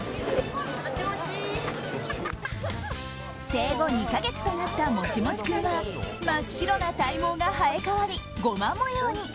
生後２か月となったもちもち君は真っ白な体毛が生え変わりゴマ模様に。